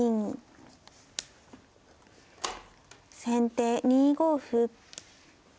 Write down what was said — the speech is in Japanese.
先手２五歩。